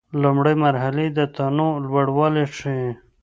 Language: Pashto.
لومړۍ مرحلې د تنوع لوړوالی ښيي.